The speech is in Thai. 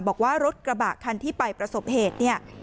บอกว่ารถกระบะที่ไปประสบเหตุ